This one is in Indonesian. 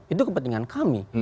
itu kepentingan kami